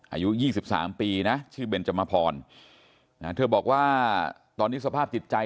อายุ๒๓ปีนะชื่อเบนจมพรเธอบอกว่าตอนนี้สภาพจิตใจ